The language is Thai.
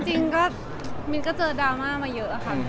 จริงก็มินก็เจอดราม่ามาเยอะค่ะ